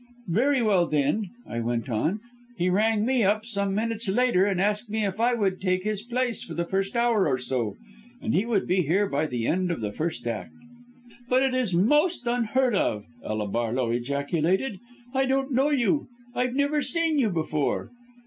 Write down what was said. "'Very well, then,' I went on, 'he rang me up some minutes later and asked me if I would take his place for the first hour or so, and he would be here by the end of the first act.' "'But it is most unheard of,' Ella Barlow ejaculated, 'I don't know you I've never seen you before!'